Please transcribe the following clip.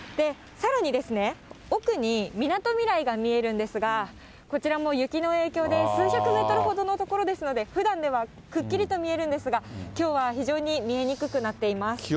さらに、奥にみなとみらいが見えるんですが、こちらも雪の影響で、数百メートルほどの所ですので、ふだんではくっきりと見えるんですが、きょうは非常に見えにくくなっています。